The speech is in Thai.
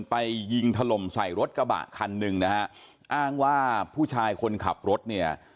ไปยิงถล่มใส่รถกระบะคันหนึ่งนะฮะอ้างว่าผู้ชายคนขับรถเนี่ย